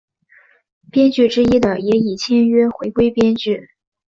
编剧之一的也已签约回归编剧。